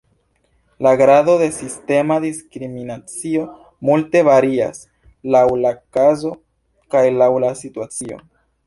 La grado de sistema diskriminacio multe varias laŭ la kazo kaj laŭ la situacio.